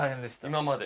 今まで。